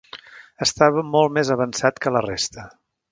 Estava molt més avançat que la resta.